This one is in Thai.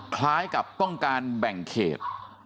คล้ายกับต้องการแบ่งเขต